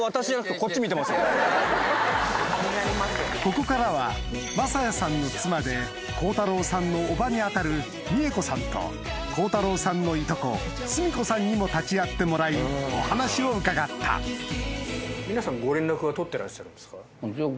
ここからは正也さんの妻で孝太郎さんのおばに当たる美枝子さんと孝太郎さんのいとこ純子さんにも立ち会ってもらいお話を伺った皆さん。